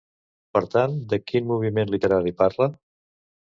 Per tant, de quin moviment literari parla?